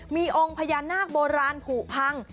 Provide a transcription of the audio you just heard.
มีองค์พญานาคโบราณผูกพัง